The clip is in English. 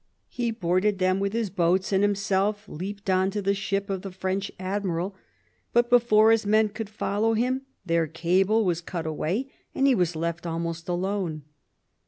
He boarded them with his boats, and himself leapt on to the ship of the French admiraJ; but before his men could follow him their cable was cut away, and he was left almost alone.